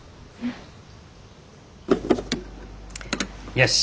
よし！